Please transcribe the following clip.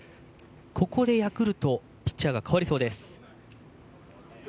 ここでヤクルトピッチャーが代わりそうです。